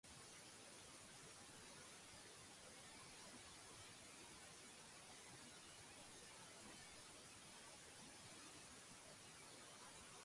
In Tahiti, as elsewhere, the sovereign was subjected to a system of vexatious restrictions.